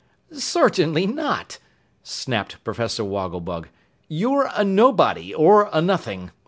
"Certainly not!" snapped Professor Wogglebug. "You're a nobody or a nothing.